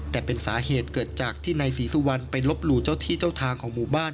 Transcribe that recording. แต่เป็นสาเหตุเกิดจากที่นายศรีสุวรรณไปลบหลู่เจ้าที่เจ้าทางของหมู่บ้าน